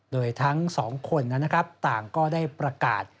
โดยทั้งสองคนนะครับต่างก็ได้ประกาศ